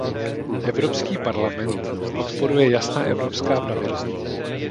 Evropský parlament podporuje jasná evropská pravidla.